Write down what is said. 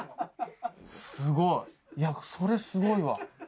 すごい。いや、それ、すごいわ。